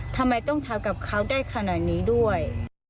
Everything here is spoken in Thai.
ทำไมต้องทำกับเขาได้ขนาดนี้ด้วย